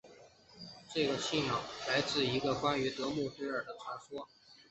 这个信仰来自一个关于得墨忒耳的传说。